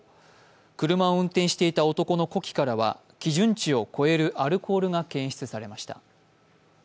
車を運転していた男の呼気からは基準値を超えるアルコールが検出されました。